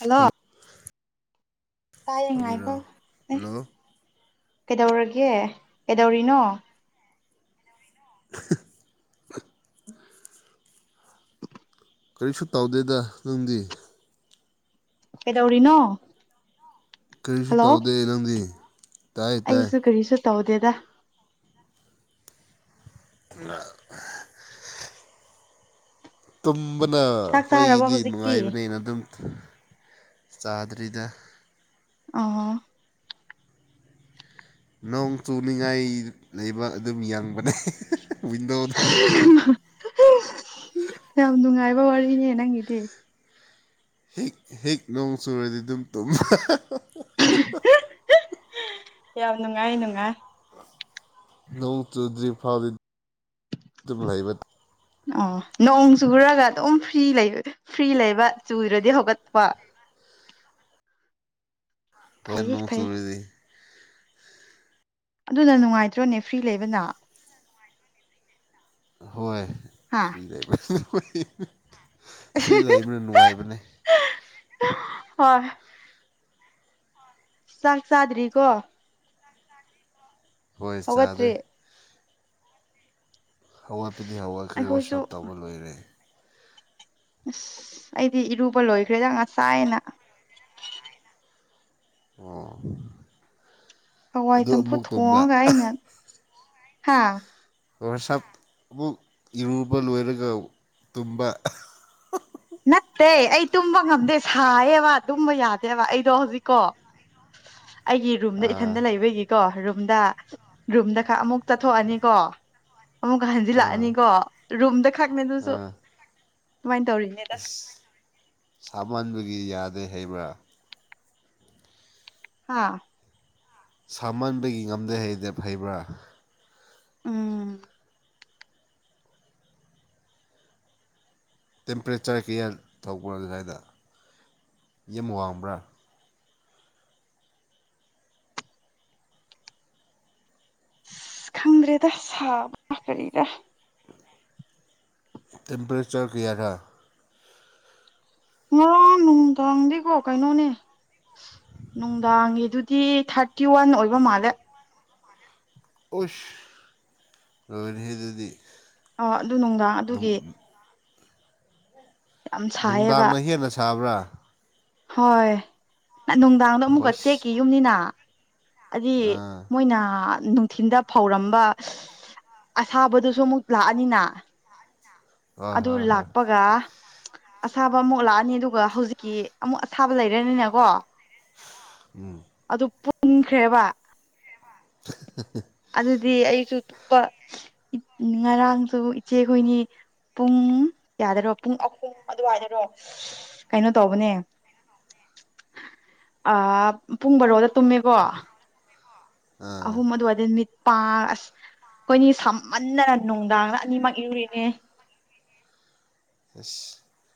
Hello! ꯇꯥꯥꯏꯌꯦ ꯒꯤꯔꯥ ꯉꯥꯏꯈꯣ, ꯑꯦ ꯍꯜꯂꯣ ꯀꯩꯗꯧꯔꯒꯦ? ꯀꯩꯗꯧꯔꯤꯅꯣ? [inaudible] ꯀꯔꯤꯁꯨ ꯇꯧꯗꯦꯗ, ꯅꯪꯗꯤ? ꯀꯩꯗꯧꯔꯤꯅꯣ? ꯀꯔꯤꯁꯨ ꯍꯜꯂꯣ ꯇꯧꯗꯦ꯫ ꯅꯪꯗꯤ ꯇꯥꯏ ꯇꯥꯏ ꯑꯩꯁꯨ ꯀꯔꯤꯁꯨ ꯇꯧꯗꯦꯗ꯫ [unintelligible] ꯇꯨꯝꯕꯅ ꯆꯥꯛ ꯆꯥꯔꯕꯣ ꯑꯈꯣꯏꯒꯤꯗꯤ ꯍꯧꯖꯤꯛꯇꯤ ꯅꯨꯡꯉꯥꯏꯕꯅꯦꯅ ꯑꯗꯨꯝ ꯆꯥꯗ꯭ꯔꯤꯗ꯫ ꯑꯣ ꯅꯣꯡ ꯆꯨꯅꯤꯡꯉꯥꯏ ꯂꯩꯕ ꯑꯗꯨꯝ ꯌꯡꯕꯅꯦ ꯋꯤꯟꯗꯣꯗꯒꯤ꯫ ꯌꯥꯝ ꯅꯨꯡꯉꯥꯏꯕ ꯋꯥꯔꯤꯅꯦ ꯅꯪꯒꯤꯗꯤ꯫ ꯍꯤꯛ ꯍꯦꯛ ꯅꯣꯡ ꯆꯨꯔꯗꯤ ꯑꯗꯨꯝ ꯇꯨꯝꯕ꯫ ꯌꯥꯝ ꯅꯨꯡꯉꯥꯏ ꯅꯨꯡꯉꯥꯏ ꯅꯣꯡ ꯆꯨꯗ꯭ꯔꯤ ꯐꯥꯎꯗꯤ ꯑꯗꯨ ꯂꯩꯕ ꯑꯣ ꯅꯣꯡ ꯆꯨꯔꯒ ꯑꯗꯨꯝ ꯐꯔꯤ ꯂꯩ ꯐ꯭ꯔꯤ ꯂꯩꯕ ꯆꯨꯗ꯭ꯔꯗꯤ ꯍꯧꯒꯠꯄ꯫ ꯍꯣꯏ ꯐꯩꯌꯦ ꯅꯣꯡ ꯐꯩ ꯆꯨꯨꯔꯗꯤ ꯑꯗꯨꯅ ꯅꯨꯡꯉꯥꯏꯇ꯭ꯔꯣꯅꯦ ꯐ꯭ꯔꯤ ꯂꯩꯕꯅ ꯍꯣꯏ ꯍꯥꯥ [unintelligible] ꯂꯩꯕ ꯐ꯭ꯔꯤ ꯂꯩꯕꯅ ꯅꯨꯡꯉꯥꯏꯕꯅꯦ ꯍꯣꯏ ꯆꯥꯛ ꯆꯥꯗ꯭ꯔꯤꯀꯣ ꯍꯣꯏ ꯆꯥꯗꯦ ꯍꯧꯒꯠꯇ꯭ꯔꯤ ꯍꯧꯋꯥꯠꯄꯗꯤ ꯍꯧꯋꯥꯠꯈ꯭ꯔꯦ ꯑꯩꯈꯣꯏꯁꯨ ꯋꯥꯁꯥꯞ ꯇꯧꯕ ꯂꯣꯏꯔꯦ꯫ ꯑꯁ ꯑꯩꯗꯤ ꯏꯔꯨꯕ ꯂꯣꯏꯈ꯭ꯔꯦꯗ ꯉꯁꯥꯏꯅ꯫ ꯑꯣ ꯍꯋꯥꯏ ꯑꯗꯨ ꯆꯝꯐꯨꯠ ꯑꯃꯨꯛ ꯇꯨꯝꯕ ꯊꯣꯡꯉꯒ ꯑꯩꯅ ꯍꯥꯥ ꯋꯥꯁꯞ ꯑꯃꯨꯛ ꯏꯔꯨꯕ ꯂꯣꯏꯔꯒ ꯇꯨꯝꯕ ꯅꯠꯇꯦ ꯑꯩ ꯇꯨꯝꯕ ꯉꯝꯗꯦ ꯁꯥꯏꯌꯦꯕ ꯇꯨꯝꯕ ꯌꯥꯗꯦꯕ ꯑꯩꯗꯣ ꯍꯧꯖꯤꯛꯀꯣ ꯑꯩꯒꯤ ꯔꯨꯝꯗ ꯏꯊꯟꯗ ꯑꯥ ꯂꯩꯕꯒꯤꯀꯣ ꯔꯨꯝꯗ ꯔꯨꯝꯗ ꯈꯛ ꯑꯃꯨꯛ ꯆꯠꯊꯣꯛꯑꯅꯤꯀꯣ ꯑꯃꯨꯛꯀ ꯑꯥ ꯍꯟꯖꯤꯜꯂꯛꯑꯅꯤꯀꯣ ꯔꯨꯝꯗ ꯈꯛꯅꯦ ꯑꯗꯨꯁꯨ ꯑꯥ ꯗꯨꯃꯥꯏ ꯇꯧꯔꯤꯅꯦ ꯑꯁ ꯁꯥꯃꯟꯕꯒꯤ ꯌꯥꯗꯦ ꯍꯩꯕ꯭ꯔꯥ ꯍꯥ ꯁꯥꯃꯟꯕꯒꯤ ꯉꯝꯗꯦ ꯍꯩꯗꯦ ꯐꯩꯕ꯭ꯔꯥ ꯎꯝ ꯇꯦꯝꯄꯔꯦꯆꯔ ꯀꯌꯥ ꯊꯧꯕ꯭ꯔꯥ ꯑꯗꯨꯏꯗ ꯌꯝ ꯋꯥꯡꯕ꯭ꯔꯥ꯫ ꯈꯪꯗ꯭ꯔꯦꯗ ꯁꯥꯕ ꯀꯔꯤꯔ ꯇꯦꯝꯄꯔꯦꯆꯔ ꯀ꯭ꯌꯥꯔ ꯉꯔꯥꯡ ꯅꯨꯡꯗꯥꯡꯗꯤꯀꯣ ꯀꯩꯅꯣꯅꯦ ꯅꯨꯡꯗꯥꯡꯒꯤꯗꯨꯗꯤ ꯊꯥꯔꯇꯤꯋꯥꯟ ꯑꯣꯏꯕ ꯃꯥꯜꯂꯦ꯫ ꯑꯣꯁ ꯂꯣꯏꯔꯍꯦ ꯗꯨꯗꯤ ꯑꯣ ꯑꯗꯨ ꯅꯨꯡꯗꯥꯡ ꯑꯗꯨꯒꯤ ꯌꯥꯝ ꯁꯥꯏꯌꯦꯕ ꯅꯨꯡꯗꯥꯡꯃ ꯍꯦꯟꯅ ꯁꯥꯕ꯭ꯔꯥ ꯍꯣꯏ ꯅꯨꯡꯗꯥꯡꯗꯣ ꯑꯃꯨꯛꯀ ꯍꯣꯏꯁ ꯆꯦꯛꯀꯤ ꯌꯨꯝꯅꯤꯅ ꯑꯗꯤ ꯑꯥ ꯃꯣꯏꯅ ꯅꯨꯡꯊꯤꯟꯜꯗ ꯐꯧꯔꯝꯕ ꯑꯁꯥꯕꯗꯨꯁꯨ ꯑꯃꯨꯛ ꯂꯥꯛꯑꯅꯤꯅ ꯍꯣꯏ ꯑꯗꯨ ꯍꯣꯏ ꯍꯣꯏ ꯂꯥꯛꯄꯒ ꯑꯁꯥꯕ ꯑꯃꯨꯛ ꯂꯥꯛꯑꯅꯤ ꯑꯗꯨꯒ ꯍꯧꯖꯤꯛꯀꯤ ꯑꯃꯨꯛ ꯑꯊꯥꯕ ꯂꯩꯔꯅꯤꯅꯀꯣ ꯎꯝ ꯑꯗꯨ ꯄꯨꯟꯈ꯭ꯔꯦꯕ [unintelligible] ꯑꯗꯨꯗꯤ ꯑꯩꯁꯨ ꯇꯨꯞꯄ ꯉꯔꯥꯡꯁꯨ ꯏꯆꯦꯈꯣꯏꯅꯤ ꯄꯨꯡ ꯀꯌꯥꯗꯔꯣ ꯄꯨꯡ ꯑꯍꯨꯝ ꯑꯗꯨꯋꯥꯏꯗꯔꯣ ꯀꯩꯅꯣ ꯇꯧꯕꯅꯦ ꯑꯥꯥ ꯄꯨꯡ ꯕꯔꯣꯗ ꯇꯨꯝꯃꯦꯀꯣ ꯑꯥ ꯑꯍꯨꯝ ꯃꯗꯨ ꯋꯥꯏꯗ ꯃꯤꯠ ꯄꯥ ꯑꯁ ꯑꯩꯈꯣꯏꯅꯤ ꯁꯝꯃꯟꯗꯅ ꯅꯨꯡꯗꯥꯡ ꯑꯅꯤꯃꯛ ꯏꯔꯨꯏꯅꯦ ꯑꯁ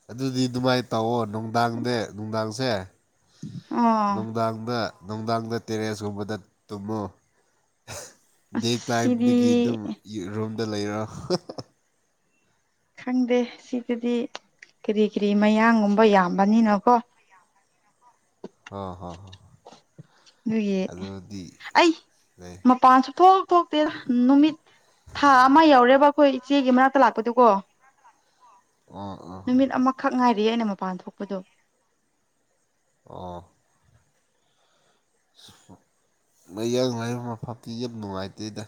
ꯑꯗꯨꯗꯤ ꯑꯗꯨꯃꯥꯏꯅ ꯇꯧꯑꯣ ꯅꯨꯡꯗꯥꯡꯗꯦ ꯅꯨꯡꯗꯥꯡꯁꯦ ꯑꯣ ꯅꯨꯡꯗꯥꯡꯗ ꯅꯨꯡꯗꯥꯡꯗ ꯇꯦꯔꯦꯁꯀꯨꯝꯕꯗ ꯇꯨꯝꯃꯣ ꯗꯦ ꯑꯁ ꯁꯤꯗꯤ ꯇꯥꯏꯝꯗꯒꯤ ꯑꯗꯨꯝ ꯔꯨꯝꯗ ꯂꯩꯔꯣ ꯈꯪꯗꯦ ꯁꯤꯗꯗꯤ ꯀꯔꯤ ꯀꯔꯤ ꯃꯌꯥꯡꯒꯨꯝꯕ ꯌꯥꯝꯕꯅꯤꯅꯀꯣ ꯍꯣ ꯍꯣ ꯍꯣꯏ ꯑꯗꯨꯒꯤ ꯑꯗꯨꯗꯤ ꯑꯩ ꯂꯩ ꯃꯄꯥꯟꯁꯨ ꯊꯣꯛ ꯊꯣꯛꯇꯦꯗ ꯅꯨꯃꯤꯠ ꯊꯥ ꯑꯃ ꯌꯧꯔꯦꯕ ꯑꯩꯈꯣꯏ ꯏꯆꯦꯒꯤ ꯃꯅꯥꯛꯇ ꯂꯥꯛꯄꯗꯨꯀꯣ ꯑꯣꯑꯣ ꯅꯨꯃꯤꯠ ꯑꯃꯈꯛ ꯉꯥꯏꯔꯤꯌꯦ ꯑꯩꯅ ꯃꯄꯥꯟ ꯊꯣꯛꯄꯗꯣ ꯑꯣ ꯃꯌꯥꯡ [unintelligible] ꯌꯥꯝ ꯅꯨꯡꯉꯥꯏꯇꯦꯗ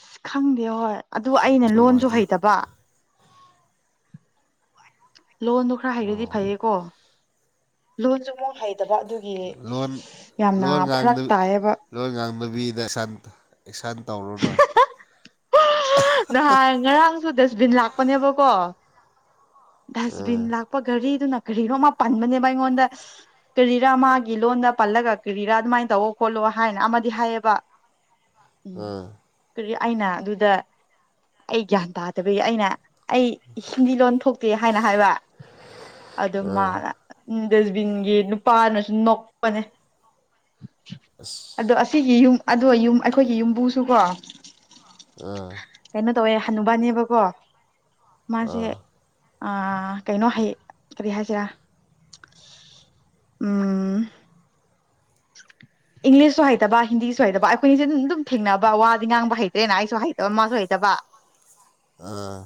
ꯑꯁ ꯈꯪꯗꯦ ꯍꯣꯏ ꯑꯗꯨ ꯑꯩꯅ ꯂꯣꯟꯁꯨ ꯑꯣꯏꯗꯦ ꯍꯩꯇꯕ ꯂꯣꯟꯗꯣ ꯈꯔ ꯍꯩꯔꯗꯤ ꯑꯣ ꯐꯩꯌꯦꯀꯣ ꯂꯣꯟꯁꯨ ꯃꯨꯛ ꯍꯩꯇꯕ ꯑꯗꯨꯒꯤ ꯂꯣꯟ [unintelligible] ꯌꯥꯝꯅ ꯂꯣꯟ ꯐꯔꯛ ꯉꯥꯡꯗ ꯇꯥꯏꯌꯦꯕ ꯂꯣꯟ ꯉꯥꯡꯕꯕꯤꯗ ꯑꯦꯛꯁꯥꯟ ꯑꯦꯛꯁꯥꯟ ꯇꯧꯔꯣꯅ ꯅꯍꯥꯟ ꯉꯔꯥꯡꯁꯨ ꯗꯁꯕꯤꯟ ꯂꯥꯛꯄꯅꯦꯕꯀꯣ ꯑꯥ ꯗꯁꯕꯤꯟ ꯂꯥꯛꯄ ꯘꯔꯤꯗꯨꯅ ꯀꯔꯤꯅꯣ ꯑꯃ ꯄꯟꯕꯅꯦꯕ ꯑꯩꯉꯣꯟꯗ ꯀꯔꯤꯔꯥ ꯃꯥꯒꯤ ꯂꯣꯟꯗ ꯄꯜꯂꯒ ꯀꯦꯔꯤꯔꯥ ꯑꯗꯨꯃꯥꯏꯅ ꯇꯧꯑꯣꯈꯣꯠꯂꯣ ꯍꯥꯏꯅ ꯑꯃꯗꯤ ꯍꯥꯏꯌꯦꯕ [inaudible] ꯎꯝ ꯑꯥ ꯀꯔꯤ ꯑꯩꯅ ꯑꯗꯨꯗ ꯑꯩ ꯒ꯭ꯌꯥꯟ ꯇꯥꯗꯕꯒꯤ ꯑꯩꯅ ꯑꯩ ꯍꯤꯟꯗꯤ ꯂꯣꯟ ꯊꯣꯛꯇꯦ ꯍꯥꯏꯅ ꯍꯥꯏꯕ ꯑꯗꯨ ꯃꯥ ꯑꯥ ꯗꯁꯕꯤꯟꯒꯤ ꯅꯨꯄꯥꯅꯁꯨ ꯅꯣꯛꯄꯅꯦ ꯑꯁ ꯑꯗꯣ ꯑꯁꯤꯒꯤ ꯌꯨꯝ ꯑꯗꯣ ꯑꯩꯈꯣꯏꯒꯤ ꯌꯨꯝꯕꯨꯁꯨ ꯀꯣ ꯑꯥ ꯀꯩꯅꯣ ꯇꯧꯋꯦ ꯍꯅꯨꯕꯥꯅꯦꯕꯀꯣ ꯃꯥꯁꯦ ꯑꯥ ꯀꯩꯅꯣ ꯍꯌꯦꯡ ꯀꯔꯤ ꯍꯥꯏꯁꯤꯔꯥ ꯎꯝ [inaudible] ꯏꯪꯂꯤꯁꯁꯨ ꯍꯩꯇꯕ ꯍꯤꯟꯗꯤꯁꯨ ꯍꯩꯇꯕ ꯑꯩꯈꯣꯏꯅꯤꯁꯦ ꯑꯗꯨꯝ ꯑꯗꯨꯝ ꯊꯦꯡꯅꯕ ꯋꯥꯗꯤ ꯉꯥꯡꯕ ꯍꯩꯇ꯭ꯔꯦꯅ ꯑꯩꯁꯨ ꯍꯩꯇꯕ ꯃꯥꯁꯨ ꯍꯩꯇꯕ [inaudible] ꯑꯥ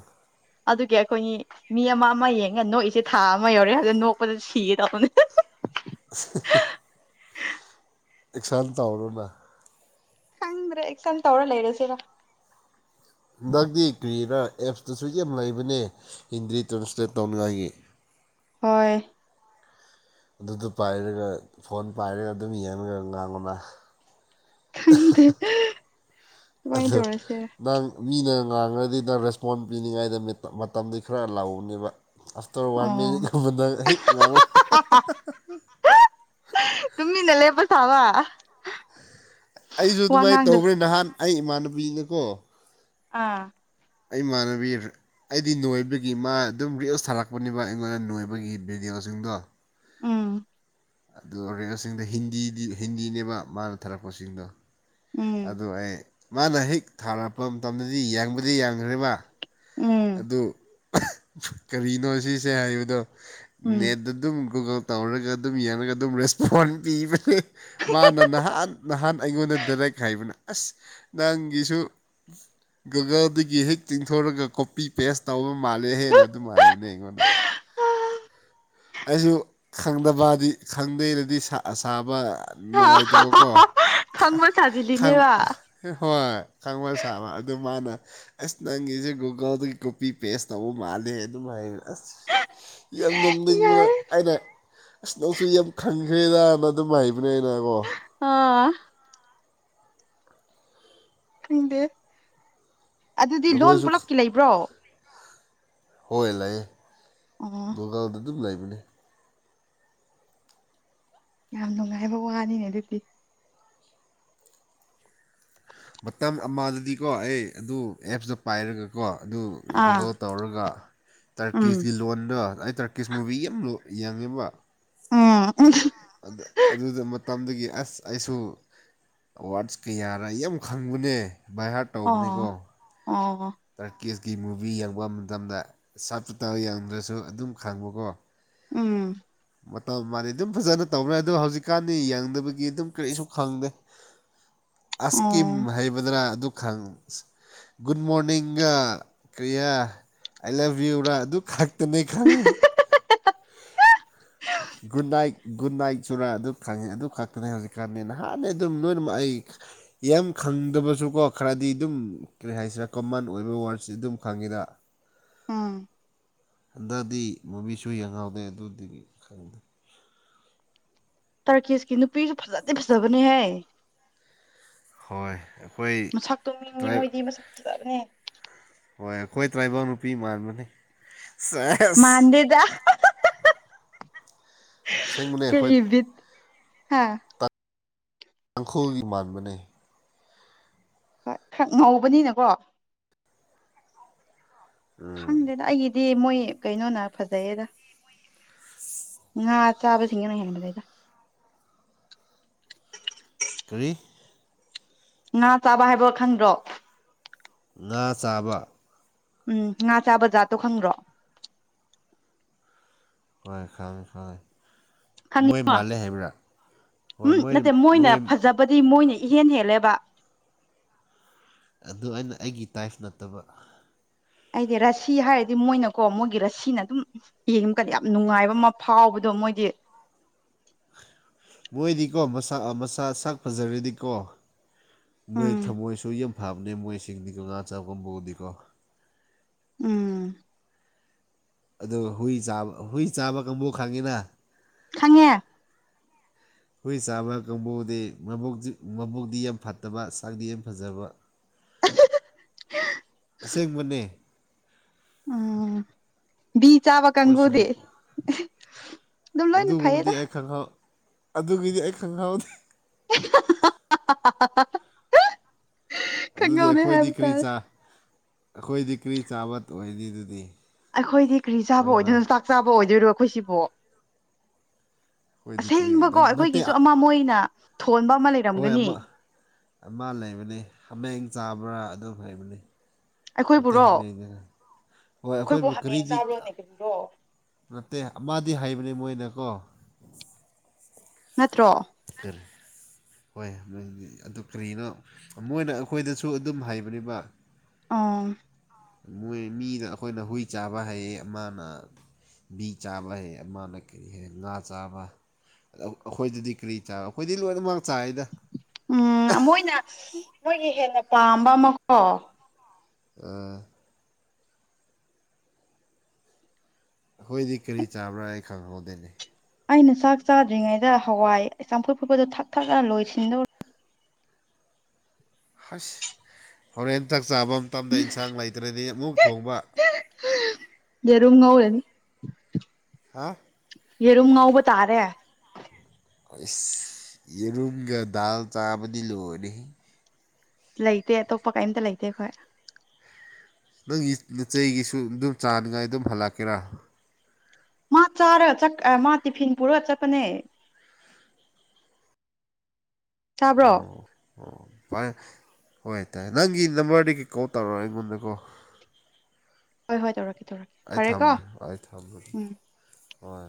ꯑꯗꯨꯒꯤ ꯑꯩꯈꯣꯏꯅꯤ ꯃꯤ ꯑꯃ ꯑꯃ ꯌꯦꯡꯒ ꯅꯣꯛꯏꯁꯦ ꯊꯥ ꯑꯃ ꯌꯧꯔꯦ ꯑꯗꯨꯅ ꯅꯣꯛꯄꯗ ꯁꯤꯒꯦ ꯇꯧꯕꯅꯦ [unintelligible] ꯑꯦꯛꯁꯥꯥꯡ ꯇꯧꯔꯣꯅ ꯍꯪꯗ꯭ꯔꯦ ꯑꯦꯛꯁꯟ ꯇꯧꯔ ꯂꯩꯔꯣꯁꯤꯦꯅ ꯅꯪꯗꯤ ꯀ꯭ꯔꯤꯔꯥ ꯑꯦꯞꯁꯇꯨꯁꯨꯛ ꯌꯥꯝ ꯂꯩꯕꯅꯦ ꯍꯤꯟꯗꯤ ꯇ꯭ꯔꯥꯟꯁꯂꯦꯠ ꯇꯧꯅꯤꯡꯉꯥꯏꯒꯤ ꯍꯣꯏ ꯑꯗꯨꯗꯨ ꯄꯥꯏꯔꯒ ꯐꯣꯟ ꯄꯥꯏꯔꯒ ꯑꯗꯨꯝ ꯌꯦꯡꯉꯒ ꯉꯥꯡꯕꯅ ꯈꯪꯗꯦ ꯑꯗꯨꯃꯥꯏꯅ ꯑꯗꯨ ꯇꯧꯔꯁꯤꯔ ꯅꯪ ꯃꯤꯅ ꯉꯥꯡꯉꯗꯤꯗ ꯔꯦꯁꯄꯣꯟ ꯄꯤꯅꯤꯡꯉꯥꯏꯗ ꯃꯇꯝꯗꯤ ꯈꯔ ꯂꯥꯎꯅꯦꯕ ꯑꯁ ꯇꯧꯔ ꯋꯥ ꯑꯣ [unintelligible] ꯇꯨꯃꯤꯅ ꯂꯦꯞꯄ ꯊꯥꯕ ꯁꯕ ꯑꯩꯁꯨ ꯑꯗꯨꯃꯥꯏꯅ ꯇꯧꯕ꯭ꯔꯦ ꯅꯍꯥꯟ ꯑꯩ ꯏꯃꯥꯟꯅꯕꯤꯅꯀꯣ ꯑꯥ ꯑꯩ ꯃꯥꯅ [unintelligible] ꯑꯩꯗꯤ ꯅꯣꯏꯕꯒꯤ ꯃꯥ ꯑꯗꯨꯝ ꯔꯤꯜꯁ ꯊꯥꯔꯛꯄꯅꯦꯕ ꯑꯩꯉꯣꯟꯗ ꯅꯣꯏꯕꯒꯤ ꯚꯤꯗꯤꯑꯣꯁꯤꯡꯗꯣ ꯎꯝ ꯑꯗꯨ ꯔꯤꯜꯁꯤꯡꯗꯣ ꯍꯤꯟꯗꯤꯗꯤ ꯍꯤꯟꯗꯤꯅꯦꯕ ꯃꯥꯅ ꯊꯥꯔꯛꯄꯁꯤꯡꯗꯣ ꯎꯝ ꯑꯗꯨ ꯑꯩ ꯃꯥꯅ ꯍꯦꯛ ꯊꯥꯔꯛꯄ ꯃꯇꯝꯗꯗꯤ ꯌꯥꯡꯕꯗꯤ ꯌꯥꯡꯈ꯭ꯔꯦꯕ ꯎꯝ ꯑꯗꯨ ꯀꯔꯤꯅꯣ ꯁꯤꯁꯦ ꯍꯥꯏꯕꯗꯣ ꯎꯝ ꯅꯦꯠꯗ ꯑꯗꯨꯝ ꯒꯨꯒꯜ ꯇꯧꯔꯒ ꯑꯗꯨꯝ ꯌꯦꯡꯔꯒ ꯑꯗꯨꯝ ꯔꯦꯁꯄꯣꯟ ꯄꯤꯕꯅꯦ ꯃꯥꯅ ꯅꯍꯥꯟ ꯅꯍꯥꯟ ꯑꯩꯉꯣꯟꯗ ꯗꯥꯏꯔꯦꯛ ꯍꯥꯏꯕꯅꯦ ꯑꯁ ꯅꯪꯒꯤꯁꯨ ꯒꯨꯒꯜꯗꯒꯤ ꯍꯦꯛ ꯇꯤꯡꯊꯣꯔꯒ ꯀꯣꯄꯤ ꯄꯦꯁ ꯇꯧꯕ ꯃꯥꯜꯂꯦ ꯍꯦꯟꯅ ꯑꯗꯨꯝ ꯍꯥꯏꯕꯅꯦ ꯑꯩꯉꯣꯟꯗ ꯑꯩꯁꯨ ꯈꯪꯗꯕꯗꯤ ꯈꯪꯗꯦꯅꯗꯤ ꯁꯥ ꯁꯥꯕ ꯅꯨꯡꯉꯥꯏꯇꯕꯀꯣ ꯈꯥꯡ ꯈꯪꯕ ꯈꯥꯡ ꯁꯥꯖꯤꯜꯂꯤꯅꯦꯕ ꯍꯣꯏ ꯈꯪꯕ ꯁꯥꯕ ꯑꯗꯨ ꯃꯥꯅ ꯑꯁ ꯅꯪꯒꯤꯁꯦ ꯒꯨꯒꯜꯗꯒꯤ ꯀꯣꯄꯤ ꯄꯦꯖ ꯇꯧꯕ ꯃꯥꯜꯂꯦ ꯑꯗꯨꯝ ꯍꯥꯏꯅ ꯑꯁ ꯌꯥꯝ ꯅꯣꯛꯅꯤꯡꯕ ꯌꯥꯏ ꯑꯩꯅ ꯑꯁ ꯅꯪꯁꯨ ꯌꯥꯝ ꯈꯟꯈ꯭ꯔꯦꯗꯅ ꯑꯗꯨꯝ ꯍꯥꯏꯕꯅꯦ ꯑꯩꯅ ꯀꯣ ꯑꯥ ꯈꯪꯗꯦ ꯑꯗꯨꯗꯤ ꯂꯣꯟ ꯅꯈꯣꯏꯁꯨ ꯄꯨꯂꯞꯀꯤ ꯂꯩꯕ꯭ꯔꯣ ꯍꯣꯏ ꯂꯩꯌꯦ ꯎꯝ ꯒꯨꯒꯜꯗ ꯗꯨꯝ ꯂꯩꯕꯅꯦ ꯌꯥꯝ ꯅꯨꯡꯉꯥꯏꯕ ꯋꯥꯅꯤꯅꯦ ꯑꯗꯨꯗꯤ ꯃꯇꯝ ꯑꯃꯗꯗꯤꯀꯣ ꯑꯩ ꯑꯗꯨ ꯑꯦꯞꯁꯇꯣ ꯄꯥꯏꯔꯒꯀꯣ ꯑꯗꯨ ꯑꯥ ꯒꯨꯒꯜ ꯇꯧꯔꯒ ꯎꯝ ꯇ꯭ꯔꯀꯤꯁꯀꯤ ꯂꯣꯟꯗꯣ ꯑꯩ ꯇ꯭ꯔ ꯀꯤꯁꯃꯨꯚꯤꯒꯤ [unintelligible] ꯌꯦꯡꯉꯦꯕ [unintelligible] ꯑꯗꯨꯗ ꯃꯇꯝꯗꯒꯤ ꯑꯁ ꯑꯩꯁꯨ ꯑꯦꯋ꯭ꯥꯔꯗꯁ ꯀꯌꯥꯔꯥ ꯌꯥꯝ ꯈꯪꯕꯅꯦ ꯕꯥꯏ ꯍꯥꯔꯠ ꯑꯣ ꯑꯣ ꯇ꯭ꯔꯀꯦꯁꯀꯤ ꯃꯨꯚꯤ ꯌꯦꯡꯕ ꯃꯇꯝꯗ ꯁꯞꯇꯥꯏꯇꯜ ꯌꯦꯡꯗ꯭ꯔꯁꯨ ꯑꯗꯨꯝ ꯈꯪꯕꯀꯣ ꯎꯝ ꯃꯇꯝ ꯃꯥꯅ ꯑꯗꯨꯝ ꯐꯖꯅ ꯇꯧꯔꯦ ꯑꯗꯣ ꯍꯧꯖꯤꯛꯀꯥꯟꯗꯤ ꯌꯦꯡꯗꯕꯒꯤ ꯑꯗꯨꯝ ꯀꯔꯤꯁꯨ ꯈꯪꯗꯦ [inaudible] ꯑꯁꯀꯤꯝ ꯍꯥꯏꯕꯗ꯭ꯔꯥ ꯑꯗꯨ ꯈꯪ ꯒꯨꯗ ꯃꯣꯔꯅꯤꯡ ꯒꯥ ꯀ꯭ꯔꯤꯌꯥ ꯑꯥꯏ ꯂꯥꯐ ꯌꯨꯨꯔꯥ ꯑꯗꯨ ꯈꯛꯇꯅꯦ ꯈꯪꯉꯦ [unintelligible] ꯒꯨꯗ ꯅꯥꯏꯠ ꯒꯨꯗ ꯅꯥꯏꯠ ꯆꯨꯔꯥ ꯑꯗꯨ ꯈꯪꯉꯤ ꯑꯗꯨ ꯈꯛꯇꯅꯤ ꯍꯧꯖꯤꯛꯀꯥꯟꯗꯤ ꯅꯍꯥꯟ ꯑꯗꯨꯝ ꯂꯣꯏꯅꯃꯛ ꯑꯩ ꯌꯥꯝ ꯈꯪꯗꯕꯁꯨꯀꯣ ꯈꯔꯗꯤ ꯑꯗꯨꯝ ꯀꯔꯤ ꯍꯥꯏꯁꯤꯔꯥ ꯀꯃꯟ ꯑꯣꯏꯕ ꯋ꯭ꯥꯔꯁꯤ ꯑꯗꯨꯝ ꯈꯪꯉꯤꯗ ꯎꯝ ꯍꯟꯗꯛꯗꯤ ꯃꯨꯕꯤꯁꯨ ꯌꯦꯡꯍꯥꯎꯗꯦ ꯑꯗꯨꯗꯤ ꯈꯪꯗꯦ ꯇꯥꯔꯀꯤꯁꯀꯤ ꯅꯨꯄꯤꯁꯨ ꯐꯥꯖꯗꯤ ꯐꯖꯕꯅꯦꯍꯦ ꯍꯣꯏ ꯃꯁꯛꯇꯣ ꯃꯤ [unintelligible] ꯇ꯭ꯔꯥꯏ ꯃꯣꯏꯗꯤ ꯃꯁꯛ ꯐꯖꯕꯅꯦ ꯍꯣꯏ ꯑꯩꯈꯣꯏ ꯇ꯭ꯔꯥꯏꯕꯦꯜ ꯅꯨꯄꯤ ꯃꯥꯟꯕꯅꯤ ꯁꯦꯁ ꯑꯁꯦꯡꯕꯅꯦ ꯃꯥꯟꯗꯦꯗ ꯑꯩꯈꯣꯏ ꯀꯔꯤ ꯕꯤꯠ ꯍꯥꯥ ꯇꯥꯡꯈꯨꯜꯒꯤ ꯃꯥꯟꯕꯅꯦ ꯍꯣꯏ ꯈꯔ ꯉꯧꯕꯅꯤꯅꯀꯣ ꯈꯪꯗꯦꯗ ꯑꯩꯒꯤꯗꯤ ꯃꯣꯏ ꯀꯩꯅꯣꯅ ꯐꯖꯩꯌꯦꯗ ꯉꯥ ꯆꯥꯕꯁꯤꯡꯅ ꯍꯦꯟꯕꯅꯤꯗ ꯀꯔꯤ ꯉꯥ ꯆꯥꯕ ꯍꯥꯏꯕ ꯈꯪꯗ꯭ꯔꯣ ꯉꯥ ꯆꯥꯕ ꯎꯝ ꯉꯥ ꯆꯥꯕ ꯖꯥꯠꯇꯣ ꯈꯪꯗ꯭ꯔꯣ ꯍꯣꯏ ꯈꯪꯉꯦ ꯈꯪꯉꯦ ꯈꯪꯉꯤ ꯃꯣꯏ ꯃꯥꯜꯂꯦ ꯍꯥꯏꯕ꯭ꯔꯥ ꯍꯣꯏ ꯃꯣꯏ ꯃꯣꯏ ꯗꯤ ꯃꯣꯏꯅ ꯏꯍꯦꯟ ꯍꯦꯜꯂꯦꯕ ꯑꯗꯨ ꯑꯩꯅ ꯑꯩꯒꯤ ꯇꯥꯏꯐ ꯅꯠꯇꯕ ꯑꯩꯗꯤ ꯔꯁꯤ ꯍꯥꯏꯔꯗꯤ ꯃꯣꯏꯅꯀꯣ ꯃꯣꯏꯒꯤ ꯔꯁꯤꯅ ꯑꯗꯨꯝ ꯌꯦꯡꯕꯀꯗꯤ ꯌꯥꯝ ꯅꯨꯡꯉꯥꯏꯕ ꯑꯃ ꯐꯥꯎꯕꯗꯣ ꯃꯣꯏꯗꯤ ꯃꯣꯏꯗꯤꯀꯣ ꯃꯁꯥ ꯃꯁꯥ ꯁꯛ ꯐꯖꯔꯗꯤꯀꯣ ꯃꯣꯏ ꯎꯝ ꯊꯝꯃꯣꯏꯁꯨ ꯌꯥꯝ ꯐꯥꯕꯅꯦ ꯃꯣꯏ ꯁꯤꯡꯗꯤꯀꯣ ꯉꯥ ꯆꯥꯕꯝꯕꯨꯗꯤꯀꯣ ꯎꯝ ꯑꯗꯨꯒ ꯍꯨꯏ ꯆꯥꯕ ꯍꯨꯏ ꯆꯥꯕ ꯀꯥꯡꯕꯨ ꯈꯪꯉꯤꯅ ꯈꯪꯉꯦ ꯍꯨꯏ ꯆꯥꯕ ꯀꯥꯡꯕꯨꯗꯤ ꯃꯕꯨꯇꯤ ꯃꯕꯨꯛꯇꯤ ꯌꯥꯝ ꯐꯠꯇꯕ ꯁꯥꯛꯇꯤ ꯌꯥꯝ ꯐꯖꯕ ꯑꯁꯦꯡꯕꯅꯦ ꯎꯝ ꯕꯤ ꯆꯥꯕ ꯑꯩꯈꯣꯏꯁꯨꯅꯨ ꯀꯥꯡꯒꯨꯗꯤ ꯑꯗꯨꯝ ꯂꯣꯏꯅ ꯐꯩꯌꯦꯗ [unintelligible] ꯑꯗꯨꯒꯤꯗꯤ ꯑꯩ ꯈꯪꯍꯧꯗꯦ [unintelligible] ꯑꯗꯨꯗꯤ ꯀꯥꯡꯒꯧꯅꯦ ꯑꯩꯈꯣꯏꯗꯤ ꯍꯥꯏꯕ ꯀꯔꯤ ꯇꯥꯔꯦ ꯆꯥ ꯑꯩꯈꯣꯏꯗꯤ ꯀꯔꯤ ꯆꯥꯕ ꯑꯣꯏꯅꯤ ꯑꯗꯨꯗꯤ ꯑꯩꯈꯣꯏꯗꯤ ꯀꯔꯤ ꯆꯥꯕ ꯍꯣꯏꯅ ꯑꯣꯏꯗꯣꯏꯅꯣ ꯆꯥꯛ ꯆꯥꯕ ꯑꯣꯏꯗꯣꯏꯔꯣ ꯑꯩꯈꯣꯏ ꯁꯤꯕꯣ ꯑꯩꯈꯣꯏꯗꯤ ꯀꯔꯤ ꯑꯁꯦꯡꯕꯀꯣ ꯅꯠꯇꯦ ꯑꯩꯈꯣꯏꯒꯤꯁꯨ ꯑꯃ ꯃꯣꯏꯅ ꯊꯣꯟꯕ ꯑꯃ ꯂꯩꯕ ꯍꯣꯏ ꯑꯃ ꯑꯃ ꯂꯩꯕꯅꯤ ꯍꯥꯃꯦꯡ ꯆꯥꯕ꯭ꯔꯥ ꯑꯗꯨꯝ ꯍꯩꯕꯅꯤ ꯅꯠꯇꯦ ꯑꯩꯈꯣꯏꯕꯨꯔꯣ ꯂꯩꯗꯅ ꯑꯩꯈꯣꯏꯕꯨ ꯍꯥꯃꯦꯡ ꯆꯥꯕ꯭ꯔꯣꯅꯦ ꯀꯔꯤꯔꯣ ꯅꯠꯇꯦ ꯑꯃꯗꯤ ꯍꯥꯏꯕꯅꯦ ꯃꯣꯏꯅ ꯀꯣ ꯅꯠꯇ꯭ꯔꯣ [unintelligible] ꯍꯣꯏ ꯑꯗꯨ ꯀꯔꯤꯅꯣ ꯃꯣꯏꯅ ꯑꯩꯈꯣꯏꯗꯁꯨ ꯑꯗꯨꯝ ꯍꯥꯏꯕꯅꯤꯕ ꯑꯣ ꯃꯣꯏ ꯃꯤꯅ ꯑꯩꯈꯣꯏꯅ ꯍꯨꯏ ꯆꯥꯕ ꯍꯥꯏꯌꯦ ꯑꯃꯥꯅ ꯕꯤ ꯆꯥꯕ ꯍꯩꯌꯦ ꯑꯃꯥꯅ ꯀꯔꯤ ꯍꯩ ꯉꯥ ꯆꯥꯕ ꯑꯩꯈꯣꯏꯗꯗꯤ ꯀꯔꯤ ꯆꯥ ꯑꯩꯈꯣꯏꯗꯤ ꯂꯣꯏꯅꯃꯛ ꯆꯥꯏꯌꯦꯗ ꯎꯝ ꯃꯣꯏꯅ ꯃꯣꯏꯒꯤ ꯍꯦꯟꯅ ꯄꯥꯝꯕ ꯑꯃꯀꯣ ꯑꯥ ꯑꯩꯈꯣꯏꯗꯤ ꯀꯔꯤ ꯆꯥꯕ꯭ꯔꯥ ꯑꯩ ꯈꯪꯍꯧꯗꯦꯅꯦ ꯑꯩꯅ ꯆꯥꯛ ꯆꯥꯗ꯭ꯔꯤꯉꯩꯗ ꯍꯋꯥꯏ ꯆꯝꯐꯨꯠ ꯐꯨꯠꯄꯗꯣ ꯊꯛ ꯊꯛꯑ ꯂꯣꯏꯁꯤꯟꯗꯧꯔ ꯍꯁ ꯍꯣꯔꯦꯟ ꯆꯥꯛ ꯆꯥꯕ ꯃꯇꯝꯗ ꯏꯟꯁꯥꯡ ꯂꯩꯇ꯭ꯔꯗꯤ ꯑꯃꯨꯛ ꯊꯣꯡꯕ ꯌꯦꯔꯨꯝ ꯉꯧꯔꯥꯅꯤ ꯍꯥꯥ ꯌꯦꯔꯨꯝ ꯉꯧꯕ ꯇꯥꯔꯦ ꯏꯁ ꯌꯦꯔꯨꯝꯒ ꯗꯜ ꯆꯥꯕꯗꯤ ꯂꯣꯏꯔꯦꯍꯦ ꯂꯩꯇꯦ ꯑꯇꯣꯞꯄ ꯀꯩꯝꯇ ꯂꯩꯇꯦ ꯑꯩꯈꯣꯏ ꯅꯪꯒꯤ ꯅꯆꯩꯒꯤꯁꯨ ꯑꯗꯨꯝ ꯆꯥꯅꯤꯡꯉꯥꯏ ꯑꯗꯨꯝ ꯍꯜꯂꯛꯀꯦꯔꯥ ꯃꯥ ꯆꯥꯔꯒ ꯆꯛ ꯃꯥ ꯇꯤꯐꯤꯟ ꯄꯨꯔꯒ ꯆꯠꯄꯅꯦ ꯆꯥꯕ꯭ꯔꯣ [unintelligible] ꯍꯣꯏ ꯇꯥꯏꯦ ꯅꯪꯒꯤ ꯅꯝꯕꯔꯗꯒꯤ ꯀꯣꯜ ꯇꯧꯔꯛꯑꯣ ꯑꯩꯉꯣꯟꯗꯀꯣ ꯍꯣꯏ ꯍꯣꯏ ꯇꯧꯔꯛꯀꯦ ꯇꯧꯔꯛ ꯑꯩ ꯊꯝꯒ꯭ꯔꯦ ꯑꯩ ꯊꯝꯔꯒꯦ ꯍꯣꯏ